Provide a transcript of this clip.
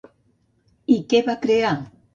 I què va crear?